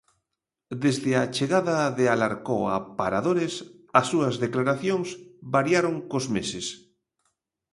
Desde a chegada de Alarcó a Paradores as súas declaracións variaron cos meses.